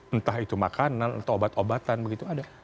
entah itu makanan atau obat obatan begitu ada